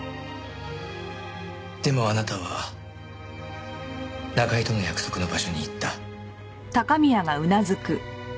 でもあなたは中居との約束の場所に行った。